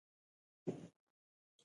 استقلال ساتلای شي.